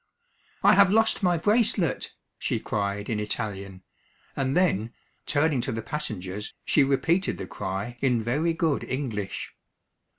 "I have lost my bracelet," she cried in Italian, and then, turning to the passengers, she repeated the cry in very good English.